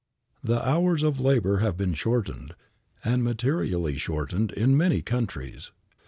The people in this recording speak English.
The hours of labor have been shortened, and materially shortened, in many countries.